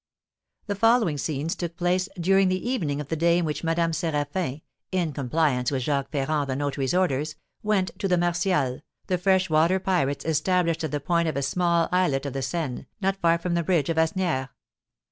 The following scenes took place during the evening of the day in which Madame Séraphin, in compliance with Jacques Ferrand the notary's orders, went to the Martials, the freshwater pirates established at the point of a small islet of the Seine, not far from the bridge of Asnières.